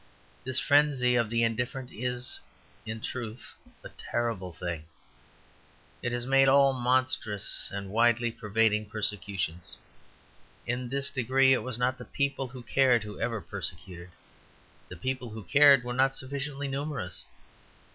This frenzy of the indifferent is in truth a terrible thing; it has made all monstrous and widely pervading persecutions. In this degree it was not the people who cared who ever persecuted; the people who cared were not sufficiently numerous.